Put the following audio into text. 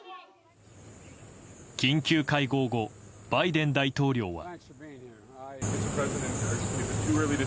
緊急会合後、バイデン大統領は。